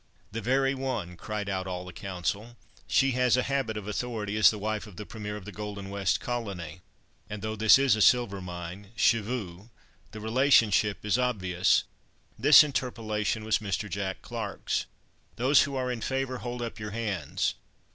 "The very one," cried out all the council. "She has a habit of authority, as the wife of the Premier of the Golden West Colony—("and, though this is a silver mine, 'Shivoo,' the relationship is obvious," this interpolation was Mr. Jack Clarke's). Those who are in favour, hold up your hands!